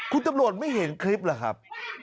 คุณตำรวจไม่เห็นคลิปเหรอครับ